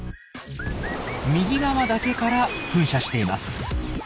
右側だけから噴射しています。